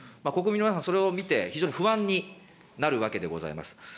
国民の皆さん、それを見て非常に不安になるわけでございます。